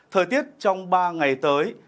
thời tiết trong ba ngày tới